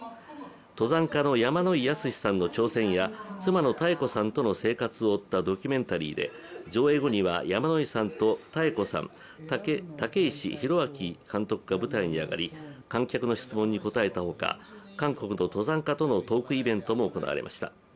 登山家の山野井泰史さんの挑戦や妻の妙子さんとの生活を追ったドキュメンタリーで上映後には山野井さんと妙子さん、武石浩明監督が舞台に上がり、観客の質問に答えたほか韓国の登山家とのトークイベントも行われました。